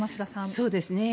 そうですね。